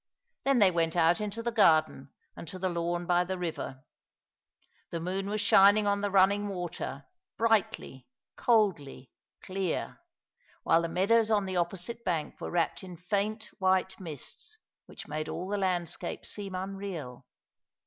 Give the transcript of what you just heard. Then they went out into the garden, and to the lawn by the river. Tlie moon was shining on the running water, brightly, coldly, clear,* while the meadows on the opposite bank were wrapped in faint, white mists, which made all the landscape seem unreal.